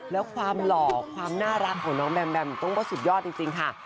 แล้วความหล่อความน่ารักของน้องแมมแมมต้องว่าสุดยอดจริงค่ะ